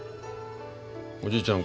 おじいちゃん